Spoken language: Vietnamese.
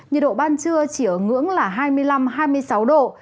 nhiệt độ ban trưa chỉ ở ngưỡng là hai mươi năm hai mươi sáu độ